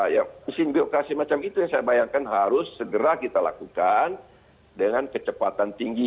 ya sindikasi macam itu yang saya bayangkan harus segera kita lakukan dengan kecepatan tinggi